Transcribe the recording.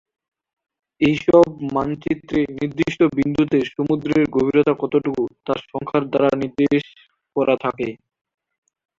এইসব মানচিত্রে নির্দিষ্ট বিন্দুতে সমুদ্রের গভীরতা কতটুকু, তা সংখ্যা দ্বারা নির্দেশ করা থাকে।